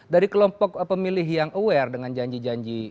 dari kelompok pemilih yang aware dengan janji janji